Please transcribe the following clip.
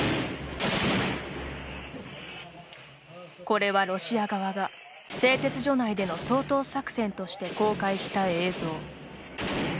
これはロシア側が製鉄所内での掃討作戦として公開した映像。